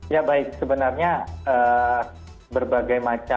ya baik sebenarnya berbagai macam